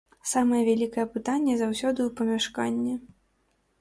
Самае вялікае пытанне заўсёды ў памяшканні.